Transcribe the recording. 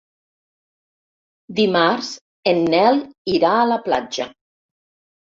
Dimarts en Nel irà a la platja.